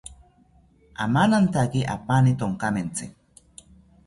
Amanantaki apani tonkamentzi